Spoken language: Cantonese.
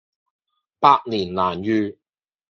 百年難遇